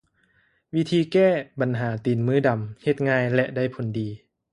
ວິທີແກ້ບັນຫາ ຕີນມືດຳ ເຮັດງ່າຍ ແລະໄດ້ຜົນດີ